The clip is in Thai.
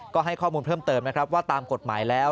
ก็ให้ข้อมูลเพิ่มเติมนะครับว่าตามกฎหมายแล้ว